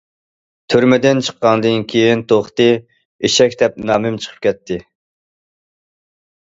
تۈرمىدىن چىققاندىن كېيىن توختى‹‹ ئېشەك›› دەپ نامىم چىقىپ كەتتى.